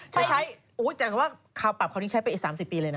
จะใช้แต่ว่าคราวปรับคราวนี้ใช้ไปอีก๓๐ปีเลยนะ